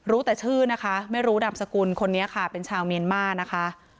แต่ชื่อนะคะไม่รู้ดามสกุลคนนี้ค่ะเป็นชาวเมียนมานะคะ